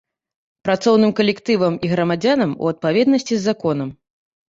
Працоўным калектывам і грамадзянам у адпаведнасці з законам.